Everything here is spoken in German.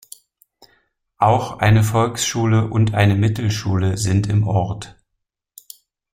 Auch eine Volksschule und eine Mittelschule sind im Ort.